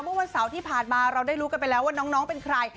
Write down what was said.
เมื่อวันเสาร์ที่ผ่านมาเราได้รู้กันไปแล้วว่าน้องเป็นใคร